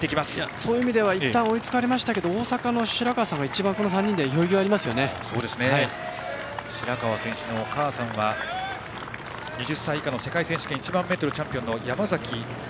そういう意味ではいったん追いつかれましたが大阪の白川さんが一番この３人の中で白川選手のお母さんは２０歳以下の世界選手権１００００ｍチャンピオン。